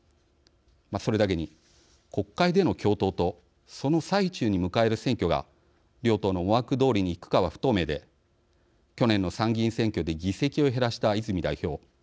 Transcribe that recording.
それだけに、国会での共闘とその最中に迎える選挙が両党の思惑どおりにいくかは不透明で、去年の参議院選挙で議席を減らした泉代表